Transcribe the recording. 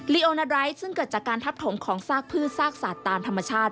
โอนาไรทซึ่งเกิดจากการทับถมของซากพืชซากสัตว์ตามธรรมชาติ